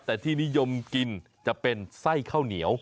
แต่ที่นิยมกินจะเป็นไส้ข้าวเหนียว